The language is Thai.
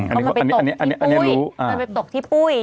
อันนี้เขาอันนี้รู้มันไปตกที่ปุ้มมันไปตกที่ปุ้ม